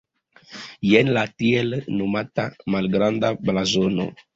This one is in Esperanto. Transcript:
Jen la tiel nomata "malgranda blazono".